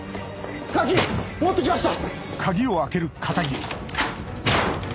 鍵持って来ました！